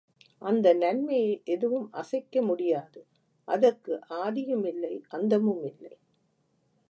அந்த நன்மையை எதுவும் அசைக்க முடியாது அதற்கு ஆதியுமில்லை, அந்தமுமில்லை.